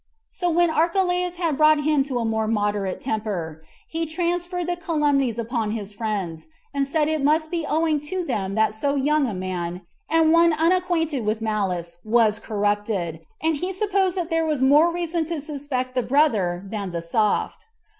So when Archelaus had brought him to a more moderate temper, he transferred the calumnies upon his friends; and said it must be owing to them that so young a man, and one unacquainted with malice, was corrupted; and he supposed that there was more reason to suspect the brother than the soft.